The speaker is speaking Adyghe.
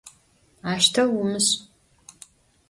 Aşteu vumış'!